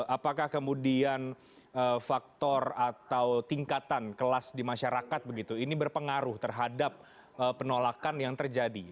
apakah kemudian faktor atau tingkatan kelas di masyarakat begitu ini berpengaruh terhadap penolakan yang terjadi